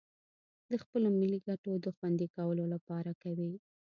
د خپلو ملي گټو د خوندي کولو لپاره کوي